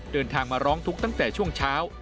เดินทางมาร้องทุกข์ตั้งแต่ช่วงเช้า